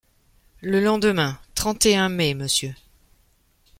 Le lendemain, trente et un mai, Mrs.